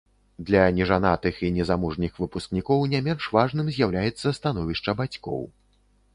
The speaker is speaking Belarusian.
Для нежанатых і незамужніх выпускнікоў не менш важным з'яўляецца становішча бацькоў.